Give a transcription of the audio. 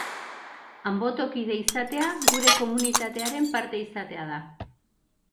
Anbotokide izatea gure komunitatearen parte izatea da.